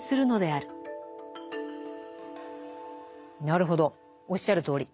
なるほどおっしゃるとおり。